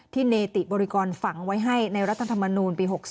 เนติบริกรฝังไว้ให้ในรัฐธรรมนูลปี๖๓